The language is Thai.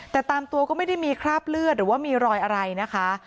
แต่ตามตัวก็ไม่ได้มีคราบเลือดหรือว่ามีรอยอะไรนะคะ